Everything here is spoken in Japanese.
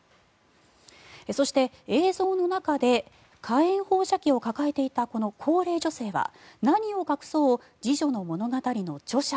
そして、映像の中で火炎放射器を抱えていたこの高齢女性は何を隠そう「侍女の物語」の著者